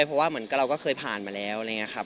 เพราะว่าเหมือนเราก็เคยผ่านมาแล้วอะไรอย่างนี้ครับ